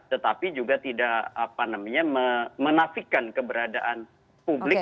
tetapi juga tidak menafikan keberadaan publik